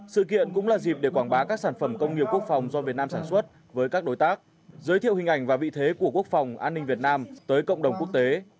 sự kiện cũng là dịp để quảng bá các sản phẩm công nghiệp quốc phòng do việt nam sản xuất với các đối tác giới thiệu hình ảnh và vị thế của quốc phòng an ninh việt nam tới cộng đồng quốc tế